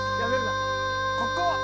ここ！